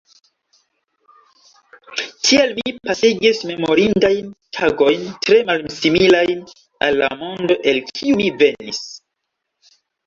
Tiel mi pasigis memorindajn tagojn tre malsimilajn al la mondo, el kiu mi venis.